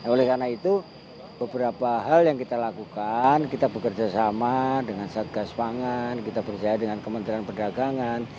oleh karena itu beberapa hal yang kita lakukan kita bekerja sama dengan satgas pangan kita berusaha dengan kementerian perdagangan